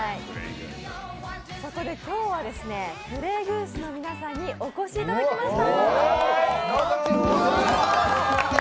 そこで今日はＰｌａｙ．Ｇｏｏｓｅの皆さんにお越しいただきました。